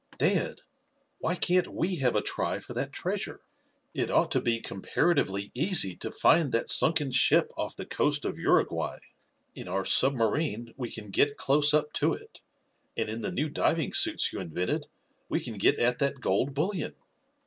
Dad, why can't we have a try for that treasure? It ought to be comparatively easy to find that sunken ship off the coast of Uruguay. In our submarine we can get close up to it, and in the new diving suits you invented we can get at that gold bullion.